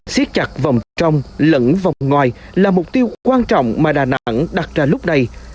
xiết chặt vòng trong lẫn vòng ngoài là mục tiêu quan trọng mà đà nẵng đặt ra lúc này